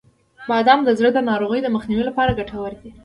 • بادام د زړه د ناروغیو د مخنیوي لپاره ګټور دي.